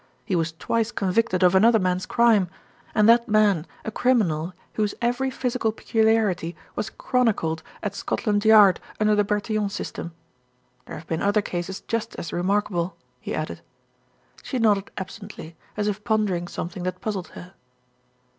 "He was twice convicted of another man's crime, and that man a criminal whose every physical peculiarity was chroni cled at Scotland Yard under the Bertillon System. There have been other cases just as remarkable," he added. She nodded absently, as if pondering something that puzzled her.